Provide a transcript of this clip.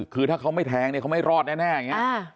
คือถ้าเขาไม่แทงเนี่ยเขาไม่รอดแน่อย่างนี้